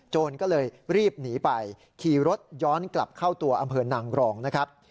ก็เลยรีบหนีไปขี่รถย้อนกลับเข้าตัวอำเภอนางรองนะครับ